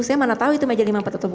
saya mana tahu itu meja lima puluh empat